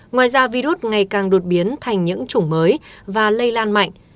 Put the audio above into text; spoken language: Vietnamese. ngoài ra virus ngày càng đột biến thành những chủng mới và lây lan mạnh